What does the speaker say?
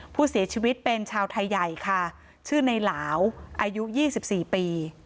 ผู้เสียชีวิตเป็นชาวไทยใหญ่ค่ะชื่อในหลาวอายุ๒๔ปี